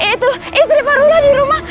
itu istri pak lura di rumah